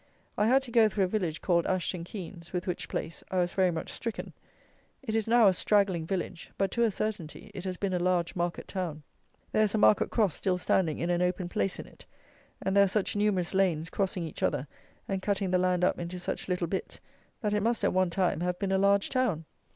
I had to go through a village called Ashton Keines, with which place I was very much stricken. It is now a straggling village; but to a certainty it has been a large market town. There is a market cross still standing in an open place in it; and there are such numerous lanes, crossing each other, and cutting the land up into such little bits, that it must, at one time, have been a large town.